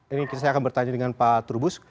ini saya akan bertanya dengan pak turbus